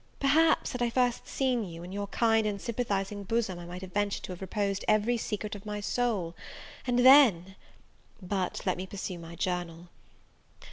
Perhaps, had I first seen you, in your kind and sympathizing bosom I might have ventured to have reposed every secret of my soul; and then but let me pursue my journal.